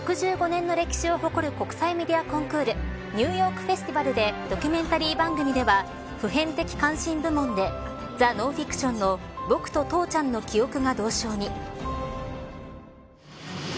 「６５年の歴史を誇る国際メディアコンクールニューヨーク・フェスティバルでドキュメンタリー番組では普遍的関心部門で『ザ・ノンフィクション』の『ボクと父ちゃんの記憶』が銅賞に」